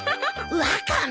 ワカメ！